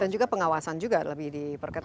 dan juga pengawasan juga lebih diperketahui